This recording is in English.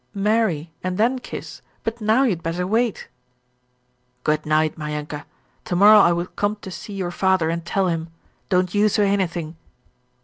'Marry and then kiss, but now you'd better wait.' 'Good night, Maryanka. To morrow I will come to see your father and tell him. Don't you say anything.'